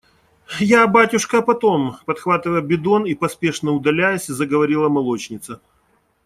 – Я, батюшка, потом. – подхватывая бидон и поспешно удаляясь, заговорила молочница.